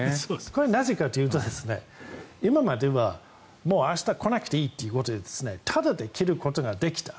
これはなぜかというと今までは明日来なくていいということでタダで切ることができた。